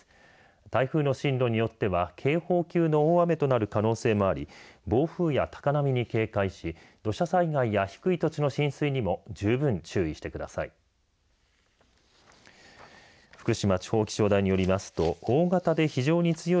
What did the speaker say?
台風の進路によっては警報級の大雨となる可能性もあり暴風や高波に警戒し土砂災害や低い土地の浸水にも十分注意してください。